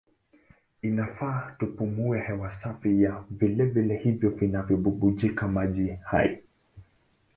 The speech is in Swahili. Inafaa tupumue hewa safi ya vilele hivyo vinavyobubujika maji hai.